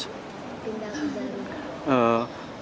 pindah ke jalung